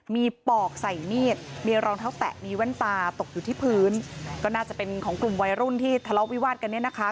มีปอกใส่มีดมีรองเท้าแตะมีแว่นตาตกอยู่ที่พื้นก็น่าจะเป็นของกลุ่มวัยรุ่นที่ทะเลาะวิวาดกันเนี่ยนะคะ